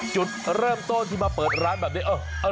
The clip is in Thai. จุดเริ่มต้นที่มาเปิดร้านแบบนี้